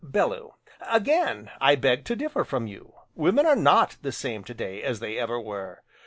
BELLEW: Again, I beg to differ from you, women are not the same to day as they ever were.